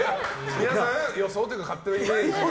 皆さん、予想というか勝手なイメージで。